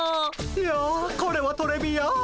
いやこれはトレビアン。